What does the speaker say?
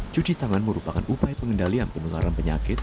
cuci tangan merupakan upaya pengendalian penularan penyakit